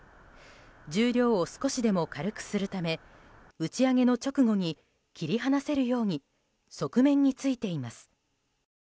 重量を少しでも軽くするため打ち上げの直後に切り離せるように側面についています。